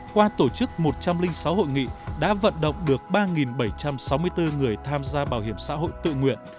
qua tổ chức một trăm linh sáu hội nghị đã vận động được ba bảy trăm sáu mươi bốn người tham gia bảo hiểm xã hội tự nguyện